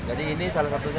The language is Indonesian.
jadi ini salah satunya